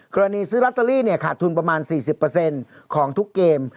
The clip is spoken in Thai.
กรณีซื้อลอตเตอรี่ขาดทุนประมาณ๔๐ของทุกเกม